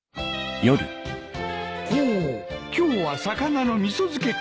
ほう今日は魚のみそ漬けか。